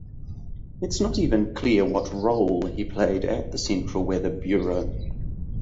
It is not even clear what role he played at the Central Weather Bureau.